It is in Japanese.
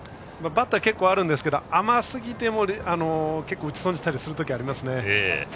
バッター、結構あるんですけど甘すぎても結構打ち損じたりするときはありますね。